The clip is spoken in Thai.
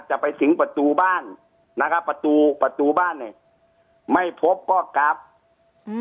จะไปถึงประตูบ้านนะครับประตูประตูบ้านเนี้ยไม่พบก็กลับอืม